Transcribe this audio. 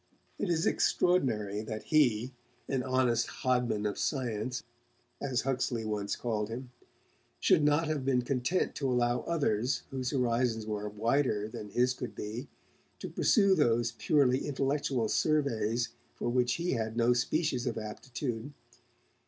It is extraordinary that he an 'honest hodman of science', as Huxley once called him should not have been content to allow others, whose horizons were wider than his could be, to pursue those purely intellectual surveys for which he had no species of aptitude.